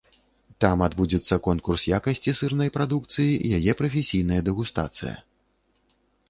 Там адбудзецца конкурс якасці сырнай прадукцыі, яе прафесійная дэгустацыя.